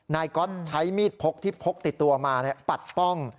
ก๊อตใช้มีดพกที่พกติดตัวมาปัดป้อง